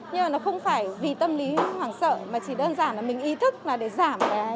nhưng mà nó không phải vì tâm lý hoảng sợ mà chỉ đơn giản là mình ý thức là để giảm cái tiếp xúc xã xã hội